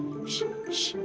pergi pergi pergi